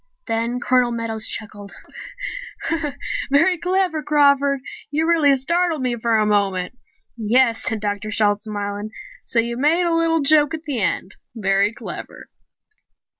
Then Colonel Meadows chuckled. "Very clever, Crawford! You really startled me for a moment." "Yes," said Dr. Shalt, smiling. "So you made a little joke at the end. Very clever."